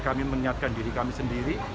kami mengingatkan diri kami sendiri